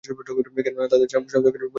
কেননা, তাদেরও রসদ-সামগ্রী পরিমাণে কম ছিল।